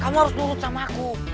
kamu harus nurut sama aku